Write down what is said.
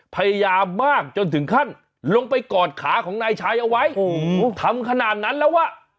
พยายามมากจนถึงขั้นลงไปกอดขาของนายชายเอาไว้โอ้โหทำขนาดนั้นแล้วอ่ะ